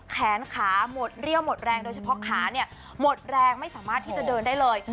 แขนขาหมดเรี่ยวหมดแรงโดยเฉพาะขาเนี่ยหมดแรงไม่สามารถที่จะเดินได้เลย